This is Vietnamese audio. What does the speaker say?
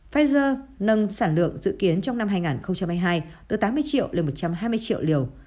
pfizer nâng sản lượng dự kiến trong năm hai nghìn hai mươi hai từ tám mươi triệu lên một trăm hai mươi triệu liều